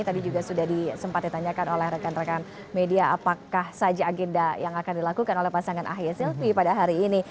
tadi juga sudah disempat ditanyakan oleh rekan rekan media apakah saja agenda yang akan dilakukan oleh pasangan ahy silvi pada hari ini